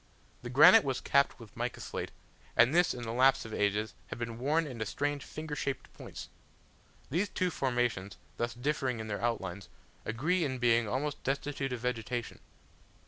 The granite was capped with mica slate, and this in the lapse of ages had been worn into strange finger shaped points. These two formations, thus differing in their outlines, agree in being almost destitute of vegetation.